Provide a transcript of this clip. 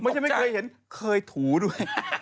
ไม่ใช่ไม่เคยเห็นเคยถูด้วย